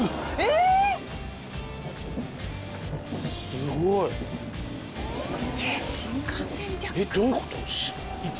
すごいえどういうこと？